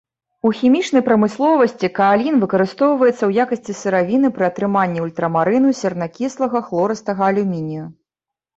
У хімічнай прамысловасці каалін выкарыстоўваецца ў якасці сыравіны пры атрыманні ультрамарыну, сернакіслага, хлорыстага алюмінію.